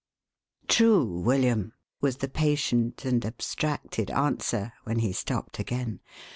"True, William," was the patient and abstracted answer, when he stopped again.